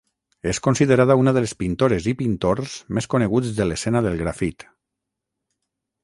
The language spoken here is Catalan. És considerada una de les pintores i pintors més coneguts de l'escena del grafit.